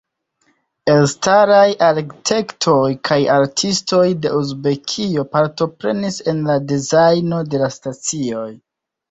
Elstaraj arkitektoj kaj artistoj de Uzbekio partoprenis en la dezajno de la stacioj.